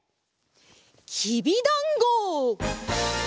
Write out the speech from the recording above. きびだんご！